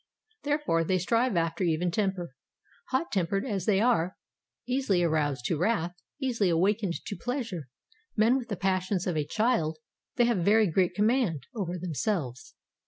Therefore they strive after even temper. Hot tempered as they are, easily aroused to wrath, easily awakened to pleasure, men with the passions of a child, they have very great command over themselves.